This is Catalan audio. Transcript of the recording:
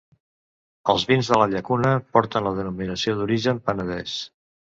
Els vins de la Llacuna porten la denominació d'origen Penedès.